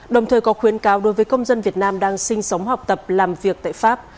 đồng thời có khuyến cáo đối với công dân việt nam đang sinh sống học tập làm việc tại pháp